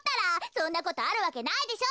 そんなことあるわけないでしょ。